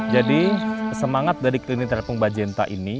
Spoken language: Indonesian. jadi semangat dari klinik terapung bajenta ini